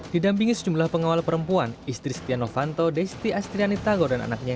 didampingi sejumlah pengawal perempuan istri setia novanto desti astriani tago dan anaknya